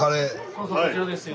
・そうそうこちらですよ。